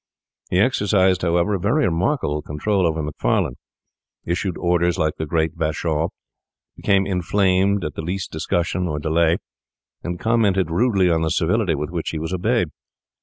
He exercised, however, a very remarkable control over Macfarlane; issued orders like the Great Bashaw; became inflamed at the least discussion or delay, and commented rudely on the servility with which he was obeyed.